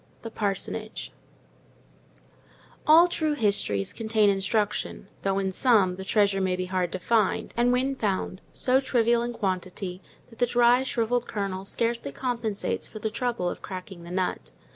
THE PARSONAGE All true histories contain instruction; though, in some, the treasure may be hard to find, and when found, so trivial in quantity, that the dry, shrivelled kernel scarcely compensates for the trouble of cracking the nut.